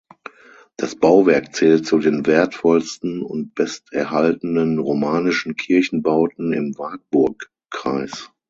Das Bauwerk zählt zu den wertvollsten und besterhaltenen romanischen Kirchenbauten im Wartburgkreis.